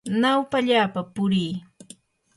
nawpallapa purii.